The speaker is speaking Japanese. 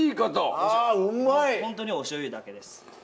ホントにおしょうゆだけです。